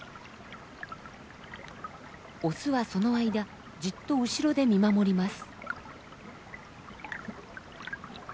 オスはその間じっと後ろで見守ります。